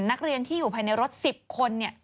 นักเรียนที่อยู่ภายในรถ๑๐คน